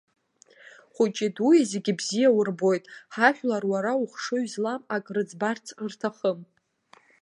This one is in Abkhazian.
Хәыҷи-дуи зегьы бзиа урбоит, ҳажәлар уара ухшыҩ злам ак рыӡбарц рҭахым.